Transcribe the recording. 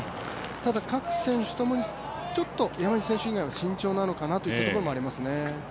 ただ、各選手ともにちょっと山西選手以外は慎重なのかなというところもありますね。